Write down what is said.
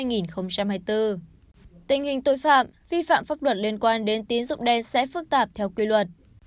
tình hình tội phạm vi phạm pháp luật liên quan đến tín dụng đen sẽ phức tạp theo quy luật